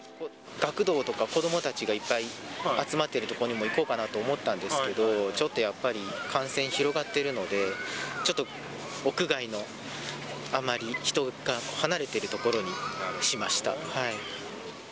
学童とか、子どもたちがいっぱい集まってる所にも行こうかなと思ってたんですけど、ちょっとやっぱり感染広がってるので、ちょっと屋外の、あんまり人が離れてる所にしました。